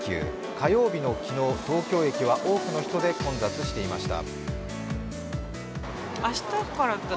火曜日の昨日、東京駅は多くの人で混雑していました。